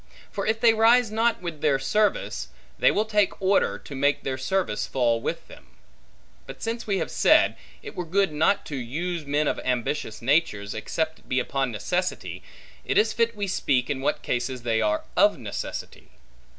For if they rise not with their service, they will take order, to make their service fall with them. But since we have said, it were good not to use men of ambitious natures, except it be upon necessity, it is fit we speak, in what cases they are of necessity.